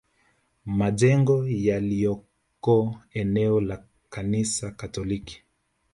Majengo yaliyoko eneo la Kanisa Katoliki